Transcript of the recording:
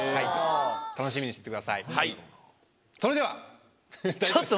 楽しみにしててください。